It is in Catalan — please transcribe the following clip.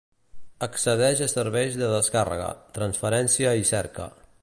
Accedeix a serveis de descàrrega, transferència i cerca.